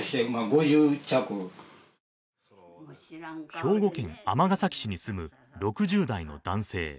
兵庫県尼崎市に住む６０代の男性。